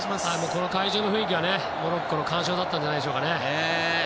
この会場の雰囲気がモロッコの完勝だったんじゃないでしょうかね。